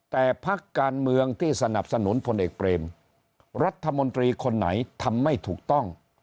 แต่พักการเมืองที่สนับสนุนพลเอกเบรมรัฐมนตรีคนไหนทำไม่ถูกต้อง